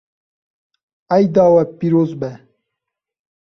Eyda we pîroz be.